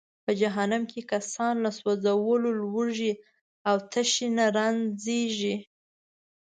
په جهنم کې کسان له سوځولو، لوږې او تشې نه رنجیږي.